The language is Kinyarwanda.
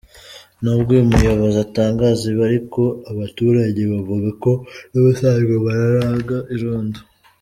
Nubwo uyu muyobozi atangaza ibi ariko, abaturage bavuga ko n’ubusanzwe bararaga irondo.